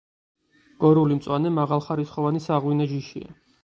გორული მწვანე მაღალხარისხოვანი საღვინე ჯიშია.